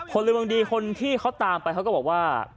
คนละเมืองดีคนที่เขาตามไปเขาก็บอกว่า